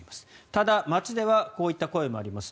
ただ、街ではこういった声もあります。